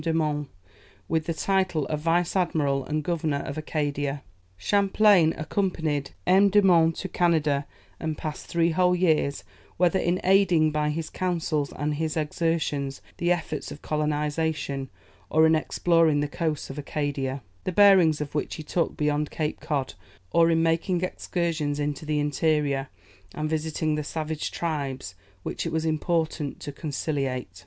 de Monts, with the title of Vice admiral and Governor of Acadia. Champlain accompanied M. de Monts to Canada, and passed three whole years, whether in aiding by his counsels and his exertions the efforts of colonization, or in exploring the coasts of Acadia, the bearings of which he took beyond Cape Cod, or in making excursions into the interior and visiting the savage tribes which it was important to conciliate.